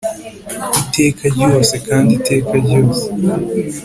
iteka ryose, kandi iteka ryose;